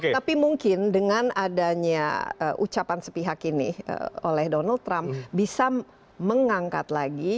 tapi mungkin dengan adanya ucapan sepihak ini oleh donald trump bisa mengangkat lagi